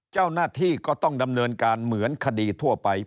เจ้าหน้าที่ก็ต้องดำเนินการเหมือนคดีทั่วไป